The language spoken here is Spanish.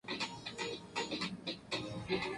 Éste rechazó airado el ultimátum.